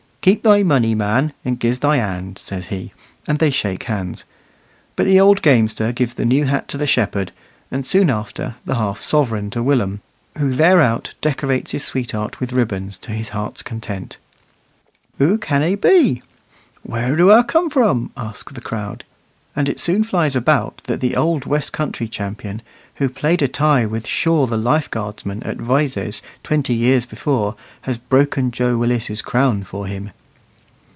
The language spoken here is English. "Keep thy money, man, and gi's thy hand," says he; and they shake hands. But the old gamester gives the new hat to the shepherd, and, soon after, the half sovereign to Willum, who thereout decorates his sweetheart with ribbons to his heart's content. "Who can a be?" "Wur do a cum from?" ask the crowd. And it soon flies about that the old west country champion, who played a tie with Shaw the Lifeguardsman at "Vizes" twenty years before, has broken Joe Willis's crown for him.